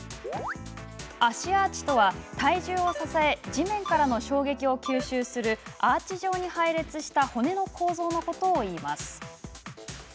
足アーチとは、体重を支え地面からの衝撃を吸収するアーチ状に配列した骨の構造のことをいいます。